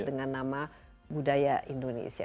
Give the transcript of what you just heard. dengan nama budaya indonesia